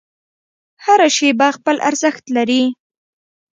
هره شیبه خپل ارزښت لري.